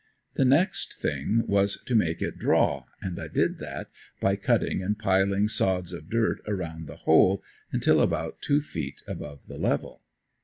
The next thing was to make it "draw," and I did that by cutting and piling sods of dirt around the hole, until about two feet above the level.